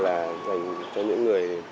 là dành cho những người